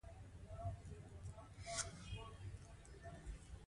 نسبتاً ستونزمن ؤ